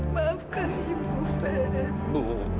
maafkan ibu fen